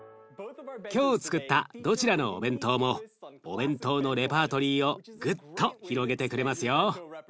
今日つくったどちらのお弁当もお弁当のレパートリーをグッと広げてくれますよ。